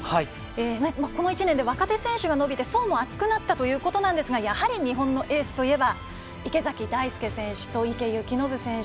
この１年で若手選手も伸びて層も厚くなったようですがやはり、日本のエースといえば池崎大輔選手と池透暢選手。